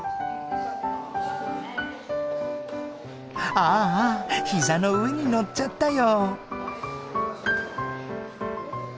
ああ膝の上に乗っちゃったよ。